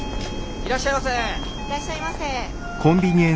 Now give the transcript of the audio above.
いらっしゃいませ。